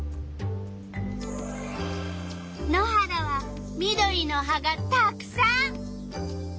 野原は緑の葉がたくさん。